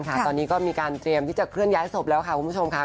ตอนนี้ก็มีการเตรียมที่จะเคลื่อนย้ายศพแล้วค่ะคุณผู้ชมค่ะ